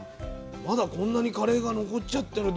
まだこんなにカレーが残っちゃってる。